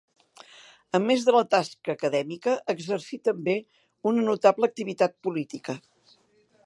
A més de la tasca acadèmica, exercí també una notable activitat política.